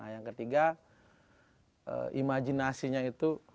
yang ketiga imajinasinya itu